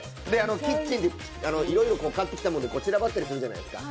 キッチンでいろいろ買ってきたものが散らばったりするじゃないですか。